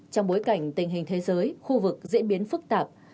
trong bối cảnh tình hình thế giới khu vực diễn biến phức tạp